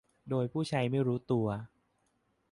โดยผู้ใช้ไม่รู้ตัว